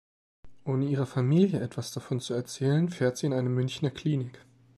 Ohne ihrer Familie etwas davon zu erzählen, fährt sie in eine Münchner Klinik.